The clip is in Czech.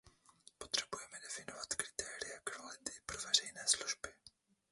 Potřebujeme definovat kritéria kvality pro veřejné služby.